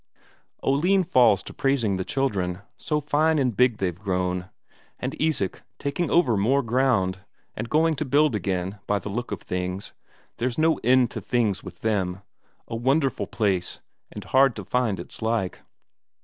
Oline falls to praising the children, so fine and big they've grown; and Isak taking over more ground, and going to build again, by the look of things there's no end to things with them; a wonderful place, and hard to find its like.